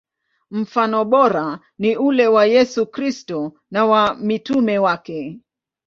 Mfano bora ni ule wa Yesu Kristo na wa mitume wake.